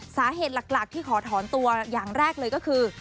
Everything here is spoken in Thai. สาเหตุหลักที่ขอถอนตัวอย่างแรกเลยก็คือ